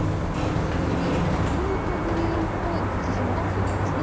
それにミントグリーンっぽい靴ひもがついていますね。